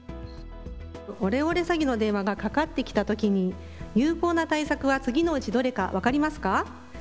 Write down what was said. オレオレ詐欺の電話がかかってきたに有効な対策は次のうちどれか分かりますか。